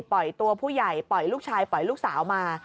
ปล่อยตัวผู้ใหญ่ปล่อยลูกชายปล่อยลูกสาวมา